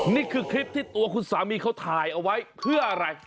นี่คือคลิปที่ตัวคุณสามีเขาถ่ายเอาไว้เพื่ออะไร